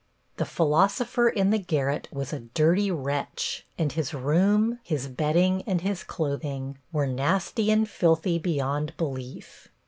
The "philosopher in the garret" was a dirty wretch, and his room, his bedding and his clothing were nasty and filthy beyond belief.